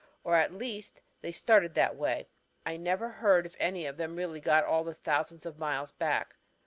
Or at least they started that way. I never heard if any of them really got all the thousand of miles back.